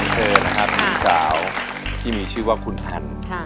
ชีวิตของเธอนะครับสาวที่มีชื่อว่าคุณอัน